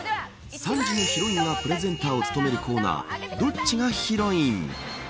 ３時のヒロインがプレゼンターを務めるコーナーどっちがヒロイン？。